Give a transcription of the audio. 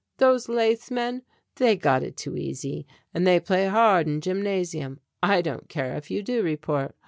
Those lathe men, they got it too easy and they play hard in gymnasium. I don't care if you do report.